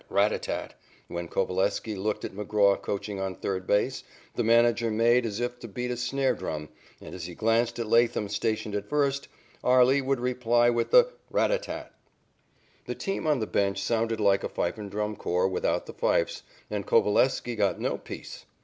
Rat a tat tat!" When Coveleski looked at McGraw coaching on third base, the manager made as if to beat a snare drum, and as he glanced at Latham stationed at first, "Arlie" would reply with the "rat a tat tat." The team on the bench sounded like a fife and drum corps without the fifes, and Coveleski got no peace.